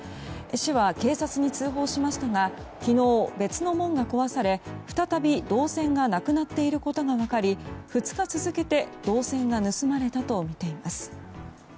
市は警察に通報しましたが昨日、別の門が壊され再び銅線がなくなっていることが分かり２日続けて銅線が盗まれたとみています。